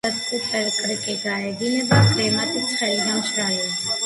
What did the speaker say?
იმ ადგილებს, სადაც კუპერ-კრიკი გაედინება კლიმატი ცხელი და მშრალია.